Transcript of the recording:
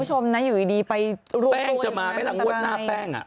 ใช่ค่ะคุณให้ดูสิ